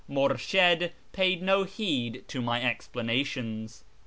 Murshid paid no heed to my explanations.